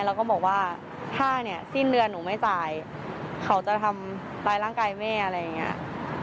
แล้วก็บอกว่าถ้าเนี่ยสิ้นเดือนหนูไม่จ่ายเขาจะทำร้ายร่างกายแม่อะไรอย่างนี้